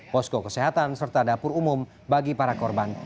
posko kesehatan serta dapur umum bagi para korban